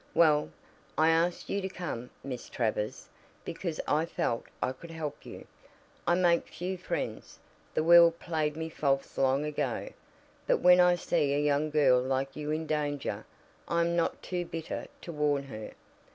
"Well, I asked you to come, Miss Travers, because I felt I could help you. I make few friends the world played me false long ago but when I see a young girl like you in danger, I am not too bitter to warn her."